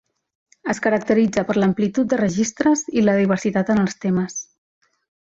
Es caracteritza per l'amplitud de registres i la diversitat en els temes.